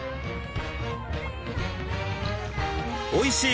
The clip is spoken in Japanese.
おいしい！